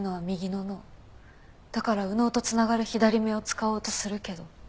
だから右脳と繋がる左目を使おうとするけど。